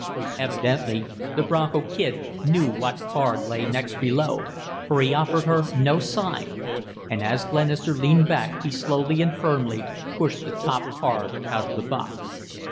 Evidently the Bronco Kid knew what card lay next below, for he offered her no sign, and as Glenister leaned back he slowly and firmly pushed the top card out of the box.